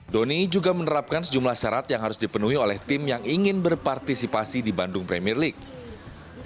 doni juga menerapkan sejumlah syarat yang harus dipenuhi oleh tim yang ingin berpartisipasi di bandung premier league